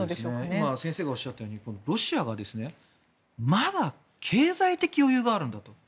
今先生がおっしゃったようにロシアがまだ経済的余裕があるんだと。